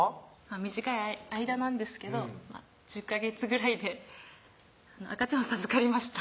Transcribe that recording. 短い間なんですけど１０ヵ月ぐらいで赤ちゃんを授かりました